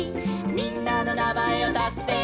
「みんなのなまえをたせば」